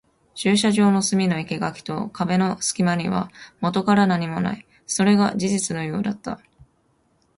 駐車場の隅の生垣と壁の隙間にはもとから何もない。それが事実のようだった。